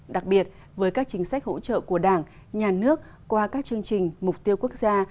đặc biệt với các chính sách hỗ trợ của đảng nhà nước qua các chương trình mục tiêu quốc gia